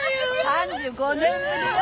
３５年ぶりよ。